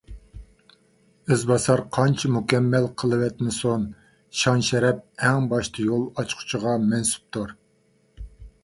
ئىز باسار قانچە مۇكەممەل قىلىۋەتمىسۇن، شان - شەرەپ ئەڭ باشتا يول ئاچقۇچىغا مەنسۇپتۇر.